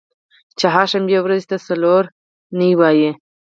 چهارشنبې ورځی ته څلور نۍ وایی